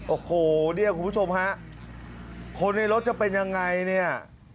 โอ้โหเนี่ยคุณผู้ชมฮะคนในรถจะเป็นยังไงเนี่ย